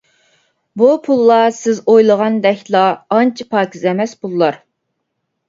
-بۇ پۇللار سىز ئويلىغاندەكلا ئانچە پاكىز ئەمەس پۇللار.